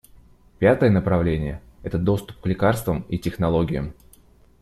Пятое направление — это доступ к лекарствам и технологиям.